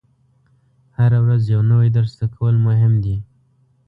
هره ورځ یو نوی درس زده کول مهم دي.